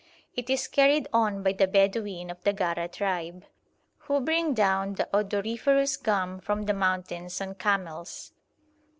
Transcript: It is carried on by the Bedouin of the Gara tribe, who bring down the odoriferous gum from the mountains on camels.